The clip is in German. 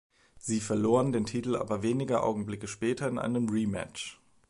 Sie verloren den Titel aber wenige Augenblicke später in einem Re-Match.